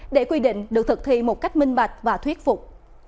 để quy định được thực thi một cách minh bạch và thuyết phục